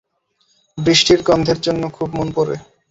বৃষ্টির গন্ধের জন্য খুব মন পোড়ে।